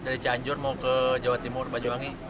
dari canjur mau ke jawa timur bajoangi